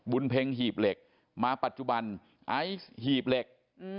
เพ็งหีบเหล็กมาปัจจุบันไอซ์หีบเหล็ก